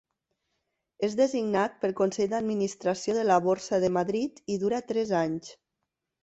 És designat pel Consell d'Administració de la Borsa de Madrid i dura tres anys.